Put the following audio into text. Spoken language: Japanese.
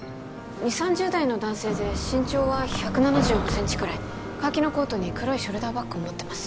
２０３０代の男性で身長は１７５センチくらいカーキのコートに黒いショルダーバッグを持ってます